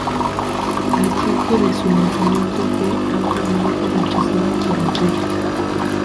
Al tiempo de su lanzamiento, fue ampliamente rechazada por la crítica.